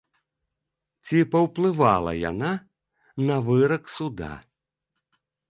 Ці паўплывала яна на вырак суда?